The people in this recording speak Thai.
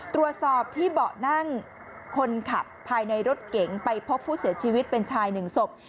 ตรวจสอบที่เบาะนั่งคนขับภายในรถเก๋งไปพบผู้เสียชีวิตเป็นชายหนึ่งศพ